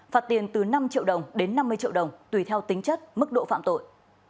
phạt tiền từ năm triệu đồng đến năm mươi triệu đồng tùy theo tính chất mức độ phạm tội